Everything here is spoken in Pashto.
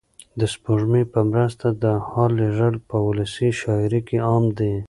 د سپوږمۍ په مرسته د حال لېږل په ولسي شاعرۍ کې عام دي.